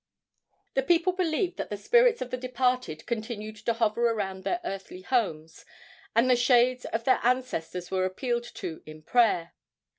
The people believed that the spirits of the departed continued to hover around their earthly homes, and the shades of their ancestors were appealed to in prayer.